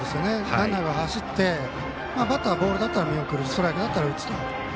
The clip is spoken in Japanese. ランナー走ってバッターはボールだったら見送るストライクだったら打つという。